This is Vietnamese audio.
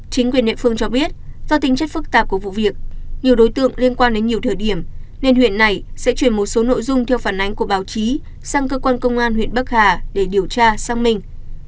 chính quyền địa phương cho biết do tính chất phức tạp của vụ việc nhiều đối tượng liên quan đến nhiều thời điểm nên huyện này sẽ chuyển một số nội dung theo phản ánh của báo chí sang cơ quan công an huyện bắc hà để điều tra xác minh